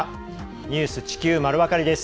「ニュース地球まるわかり」です。